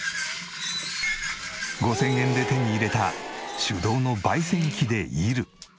５０００円で手に入れた手動の焙煎機で煎る。